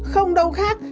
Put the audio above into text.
không đâu khác